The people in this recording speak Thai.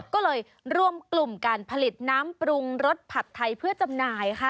ก็เลยรวมกลุ่มการผลิตน้ำปรุงรสผัดไทยเพื่อจำหน่ายค่ะ